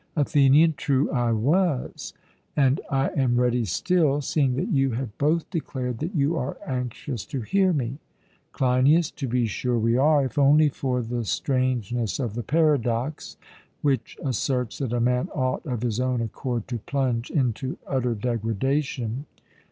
ATHENIAN: True, I was; and I am ready still, seeing that you have both declared that you are anxious to hear me. CLEINIAS: To be sure we are, if only for the strangeness of the paradox, which asserts that a man ought of his own accord to plunge into utter degradation.